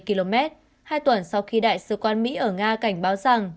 trong khoảng hai mươi km hai tuần sau khi đại sứ quan mỹ ở nga cảnh báo rằng